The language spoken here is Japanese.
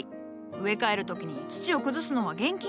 植え替える時に土を崩すのは厳禁じゃ。